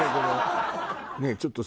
ねえちょっとさ